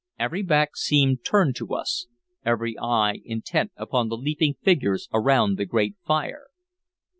Every back seemed turned to us, every eye intent upon the leaping figures around the great fire.